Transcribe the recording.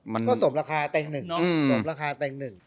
ก็สมราคาแต่งหนึ่ง